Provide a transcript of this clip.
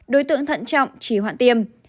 đối tượng thận trọng trí hoạn tiêm